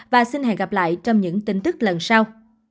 và xin hẹn gặp lại trong những tin tức lần sau